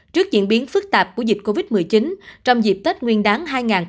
trước diễn biến phức tạp của dịch covid một mươi chín trong dịp tết nguyên đáng hai nghìn hai mươi